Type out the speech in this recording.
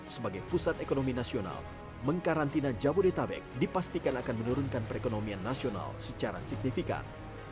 sebagai pusat ekonomi nasional mengkarantina jabodetabek dipastikan akan menurunkan perekonomian nasional secara signifikan